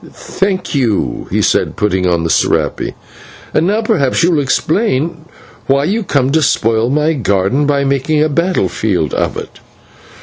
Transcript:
"Thank you," he said, putting on the /serape/. "And now perhaps you will explain why you come to spoil my garden by making a battle field of it."